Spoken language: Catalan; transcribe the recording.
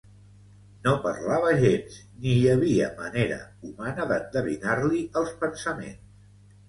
No parlava gens ni hi havia manera humana d'endevinar-li els pensaments.